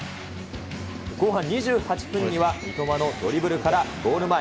後半２８分には、三笘のドリブルからゴール前。